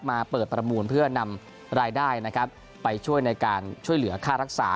มาเปิดประมูลเพื่อนำรายได้นะครับไปช่วยในการช่วยเหลือค่ารักษา